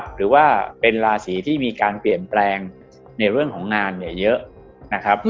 หรือว่าเป็นราศีที่มีการเปลี่ยนแปลงในเรื่องของงานเยอะ